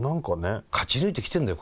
勝ち抜いてきてんだよ